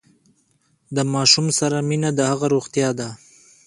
د ماشوم سره مینه د هغه روغتیا ده۔